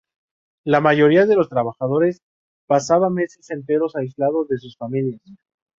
La mayoría de los trabajadores pasaban meses enteros aislados de sus familias.